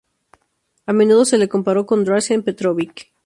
A menudo se le comparó con Dražen Petrović.